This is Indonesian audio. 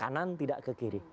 kanan tidak ke kiri